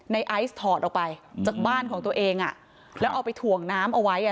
ไอซ์ถอดออกไปจากบ้านของตัวเองอ่ะแล้วเอาไปถ่วงน้ำเอาไว้อ่ะ